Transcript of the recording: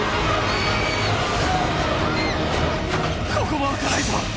ここも開かないぞ！